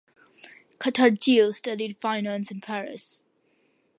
Catargiu studied finance in Paris.